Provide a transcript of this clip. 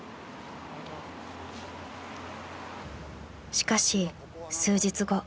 ［しかし数日後］